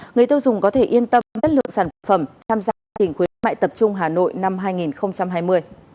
người tiêu dùng có thể yên tâm chất lượng sản phẩm tham gia chương trình khuyến mại tập trung hà nội năm hai nghìn hai mươi